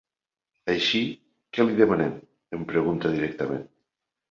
Així, què li demanem? —em pregunta directament.